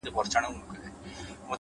مثبت انسان د هیلو مشعل بل ساتي,